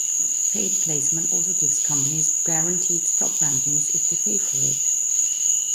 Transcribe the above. Paid placement also gives companies guaranteed top rankings if they pay for it.